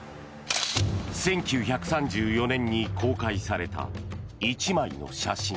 １９３４年に公開された１枚の写真。